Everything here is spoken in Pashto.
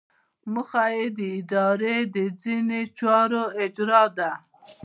موخه یې د ادارې د ځینو چارو اجرا ده.